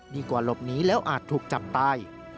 ดีกว่าหลบหนีแล้วอาจถูกจับตาย